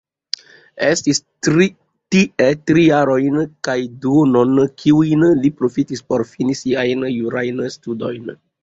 Estis tie tri jarojn kaj duonon, kiujn li profitis por fini siajn jurajn studojn.